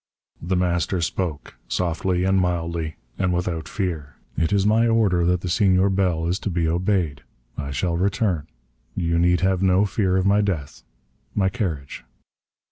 The Master spoke, softly and mildly and without fear. "It is my order that the Senor Bell is to be obeyed. I shall return. You need have no fear of my death. My carriage."